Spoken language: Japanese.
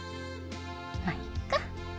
まいっか。